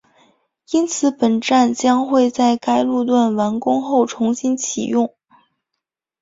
因此本站将会在该线路完工后重新启用